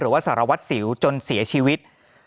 ว่าสารวัตรสิวจนเสียชีวิต